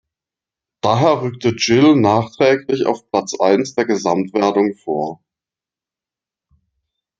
Daher rückte Gil nachträglich auf Platz eins der Gesamtwertung vor.